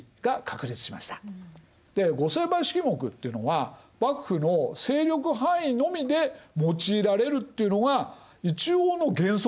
で御成敗式目っていうのは幕府の勢力範囲のみで用いられるっていうのが一応の原則なんです。